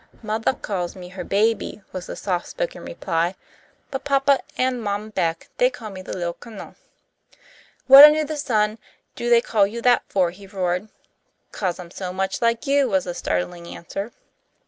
"Mothah calls me her baby," was the soft spoken reply, "but papa an' Mom Beck they calls me the Little Cun'l." "What under the sun do they call you that for?" he roared. "'Cause I'm so much like you," was the startling answer.